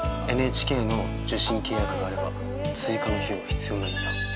ＮＨＫの受信契約があれば追加の費用は必要ないんだ。